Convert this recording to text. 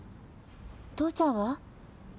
父ちゃんは？